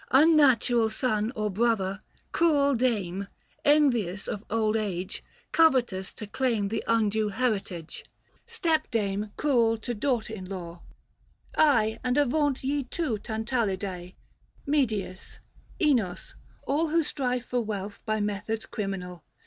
Unnatural son or brother, cruel dame; Envious of old age, covetous to claim 670 The undue heritage ; stepdame cruel to Daughter in law ; ay, and avaunt ye too, Tantalidse, Medeas, Inos — all Who strive for wealth by methods criminal.